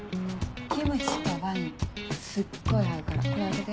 キムチとワインすっごい合うからこれ開けて。